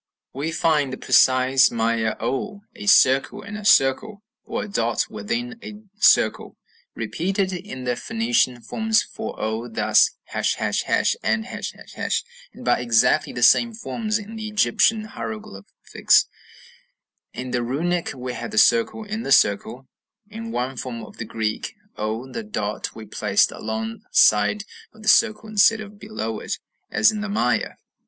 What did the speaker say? We find the precise Maya o a circle in a circle, or a dot within a circle, repeated in the Phoenician forms for o, thus, ### and ###, and by exactly the same forms in the Egyptian hieroglyphics; in the Runic we have the circle in the circle; in one form of the Greek o the dot was placed along side of the circle instead of below it, as in the Maya.